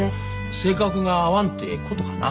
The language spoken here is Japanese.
性格が合わんってことかな。